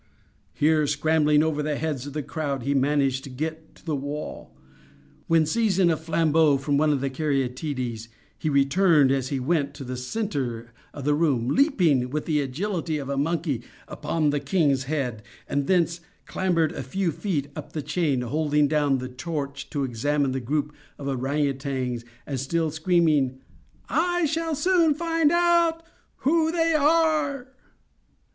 Here, scrambling over the heads of the crowd, he managed to get to the wall; when, seizing a flambeau from one of the Caryatides, he returned, as he went, to the centre of the room—leaped, with the agility of a monkey, upon the kings head, and thence clambered a few feet up the chain; holding down the torch to examine the group of ourang outangs, and still screaming: "I shall soon find out who they are!"